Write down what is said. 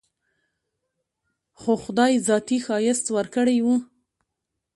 خو خداى ذاتي ښايست وركړى و.